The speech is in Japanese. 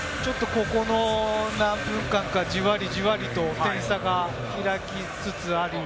ここの何分間か、じわりじわりと点差が開きつつある。